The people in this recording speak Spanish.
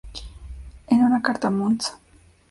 En una carta a Mons.